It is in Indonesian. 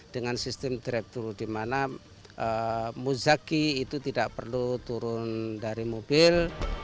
dengan sistem drive thru di mana muzaki itu tidak perlu turun dari mobil